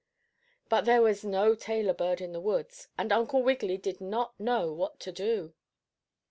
But there was no tailor bird in the woods, and Uncle Wiggily did not know what to do.